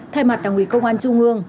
thay mặt đảng ủy công an trung ương